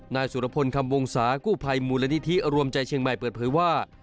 นายสุรพลคำวงศากู้ภัยมูลนิธิรวมใจเชียงใหม่เปิดเผยว่า